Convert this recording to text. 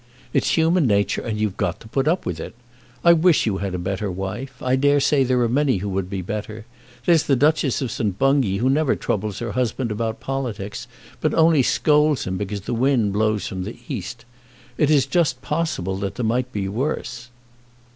It's human nature, and you've got to put up with it. I wish you had a better wife. I dare say there are many who would be better. There's the Duchess of St. Bungay who never troubles her husband about politics, but only scolds him because the wind blows from the east. It is just possible there might be worse."